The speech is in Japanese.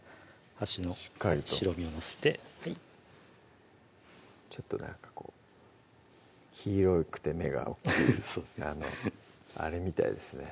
端の白身を載せてちょっとなんかこう黄色くて目が大っきいあのあれみたいですね